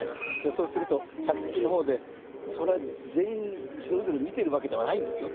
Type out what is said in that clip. そうすると客席の方でそれは全員それぞれ見てるわけではないんですよ。